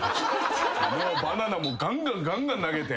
もうバナナもガンガンガンガン投げて。